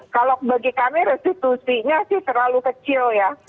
kalau bagi kami restitusinya sih terlalu kecil ya